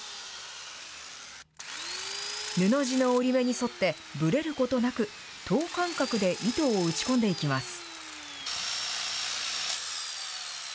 布地の折り目に沿って、ぶれることなく、等間隔で糸を打ち込んでいきます。